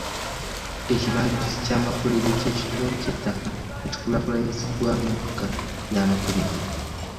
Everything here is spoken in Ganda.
Ekibangirizi ky'amakolero ky'ekitundu ky'ettaka ekikulaakulanyiziddwa ng'embuga y'amakolero.